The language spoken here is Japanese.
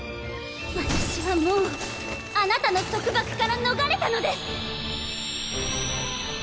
私はもうあなたの束縛から逃れたのです！！